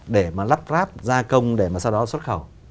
để mà lắp ráp gia công để mà sau đó xuất khẩu